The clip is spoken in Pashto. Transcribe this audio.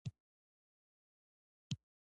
ازادي راډیو د اقتصاد په اړه د بریاوو مثالونه ورکړي.